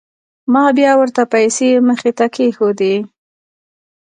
ما بيا ورته پيسې مخې ته کښېښووې.